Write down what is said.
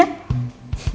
ap uk tua gitu